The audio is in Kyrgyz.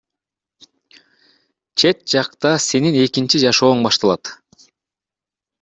Чет жакта сенин экинчи жашооң башталат.